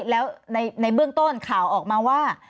แล้วในเบื้องต้นข่าวออกมาว่า